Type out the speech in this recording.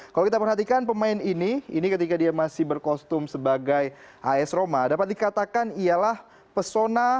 kalau kita perhatikan pemain ini ini ketika dia masih berkostum sebagai as roma dapat dikatakan ialah persona